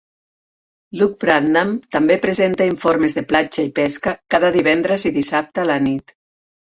Luke Bradnam també presenta informes de Platja i Pesca cada divendres i dissabte a la nit.